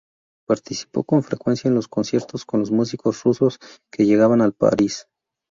Participó con frecuencia en los conciertos con los músicos rusos que llegaban a París.